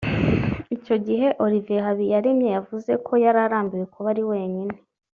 Icyo gihe Olivier Habiyaremye yavuze ko yari arambiwe kuba iwe wenyine